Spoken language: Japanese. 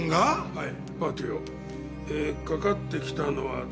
はい。